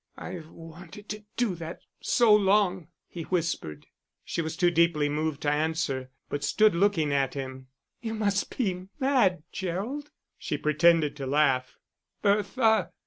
"I've wanted to do that so long," he whispered. She was too deeply moved to answer, but stood looking at him. "You must be mad, Gerald." She pretended to laugh. "Bertha!"